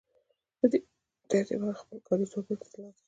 په دې ترتیب هغه خپل کاري ځواک بېرته ترلاسه کوي